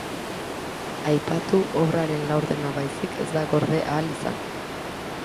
Aipatu obraren laurdena baizik ez da gorde ahal izan.